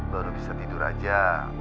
baru bisa tidur aja